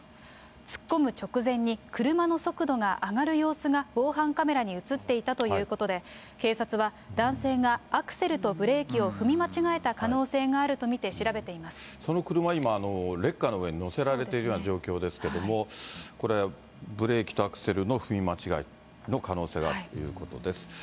突っ込む直前に車の速度が上がる様子が防犯カメラに写っていたということで、警察は、男性がアクセルとブレーキを踏み間違えた可能性があると見て調べその車、今、レッカーの上に載せられているような状況ですけども、これ、ブレーキとアクセルの踏み間違いの可能性があるということです。